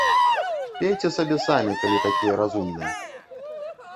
Пейце сабе самі, калі такія разумныя!